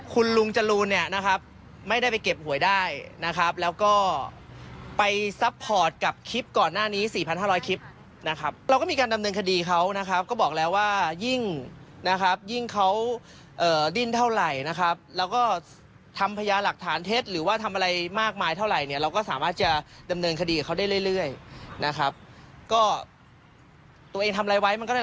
คุณลุงจรูนเนี่ยนะครับไม่ได้ไปเก็บหวยได้นะครับแล้วก็ไปซัพพอร์ตกับคลิปก่อนหน้านี้๔๕๐๐คลิปนะครับเราก็มีการดำเนินคดีเขานะครับก็บอกแล้วว่ายิ่งนะครับยิ่งเขาดิ้นเท่าไหร่นะครับแล้วก็ทำพญาหลักฐานเท็จหรือว่าทำอะไรมากมายเท่าไหร่เนี่ยเราก็สามารถจะดำเนินคดีกับเขาได้เรื่อยนะครับก็ตัวเองทำอะไรไว้มันก็ได้